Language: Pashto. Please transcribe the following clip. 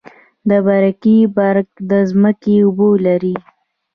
د برکي برک ځمکې اوبه لري